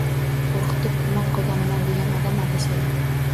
Qo‘rqitib hurmat qozonaman, degan odam adashadi.